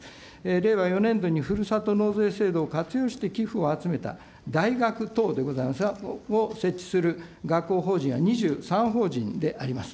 令和４年度にふるさと納税制度を活用して寄付を集めた大学等でございますが、設置する学校法人は２３法人であります。